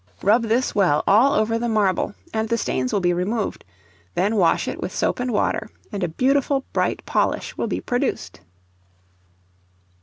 Rub this well all over the marble, and the stains will be removed; then wash it with soap and water, and a beautiful bright polish will be produced.